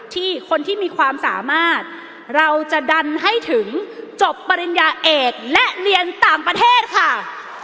ที่คนที่มีความสามารถเราจะดันให้ถึงจบปริญญาเอกและเรียนต่างประเทศค่ะ